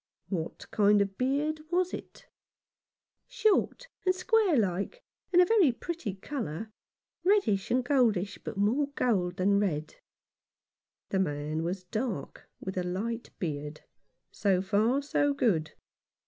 " What kind of a beard was it ?"" Short, and square like, and a very pretty colour — reddish and goldish, but more gold than red." The man was dark, with a light beard. So far, so good.